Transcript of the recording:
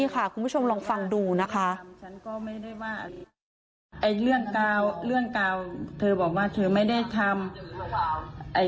ถ้าเป็นวันสองหมื่นถ้าเดียบเราแบ่งวงเงินก็อยู่ประมาณ๔๐๐๐๐๐ฮะ